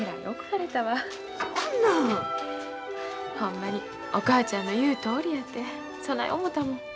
ほんまにお母ちゃんの言うとおりやてそない思たもん。